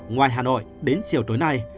ngoài hà nội đến chiều tối nay